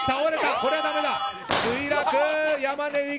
これはだめだ。